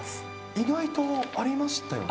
意外とありましたよね。